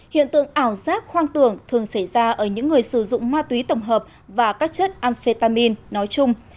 hiện tượng ảo giác hoang tưởng thường xảy ra ở những người sử dụng ma túy tổng hợp và các chất amphetamin nói chung